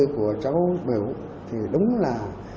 của cháu biểu thì đúng là